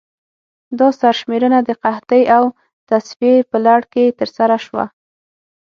دا سرشمېرنه د قحطۍ او تصفیې په لړ کې ترسره شوه.